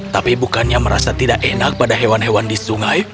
tapi bukannya merasa tidak enak pada hewan hewan di sungai